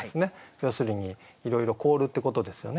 要するにいろいろ凍るってことですよね。